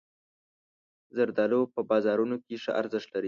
زردالو په بازارونو کې ښه ارزښت لري.